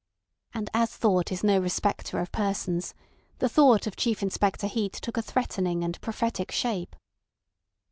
And as thought is no respecter of persons, the thought of Chief Inspector Heat took a threatening and prophetic shape.